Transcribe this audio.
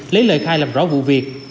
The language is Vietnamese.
lấy lời khai làm rõ vụ việc